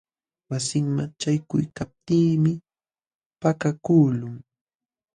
Wasinman ćhaykuykaptiimi pakakuqlun.